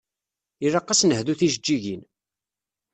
Ilaq ad s-nehdu tijeǧǧigin.